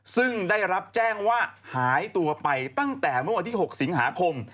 ซึ่งได้รับแจ้งว่าหายตัวไปตั้งแต่เมื่อวันที่๖สิงหาคม